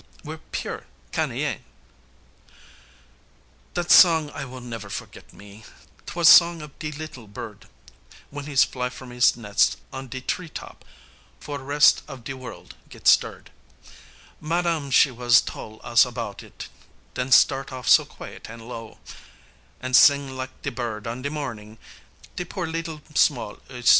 We're de pure Canayen! Dat song I will never forget me, 't was song of de leetle bird, W'en he's fly from it's nes' on de tree top, 'fore res' of de worl' get stirred, Ma dam she was tole us about it, den start off so quiet an' low, An' sing lak de bird on de morning, de poor leetle small oiseau.